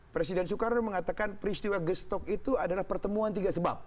presiden soekarno mengatakan peristiwa gestok itu adalah pertemuan tiga sebab